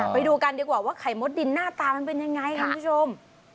ไปดูกันดีกว่าว่าไข่มดดินหน้าตามันเป็นยังไงคุณผู้ชม